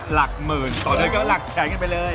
หลักหมื่นต่อหนึ่งก็หลักแขดกันไปเลย